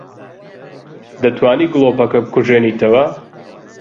دەتوانیت گڵۆپەکە بکوژێنیتەوە؟